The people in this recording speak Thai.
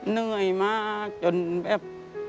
เหนื่อยมากจนแบบ